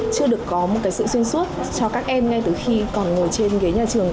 chưa được có một sự xuyên suốt cho các em ngay từ khi còn ngồi trên ghế nhà trường